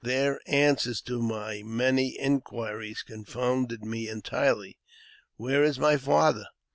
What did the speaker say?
Their answers to my many inquiries confounded me entirely " "Where is my father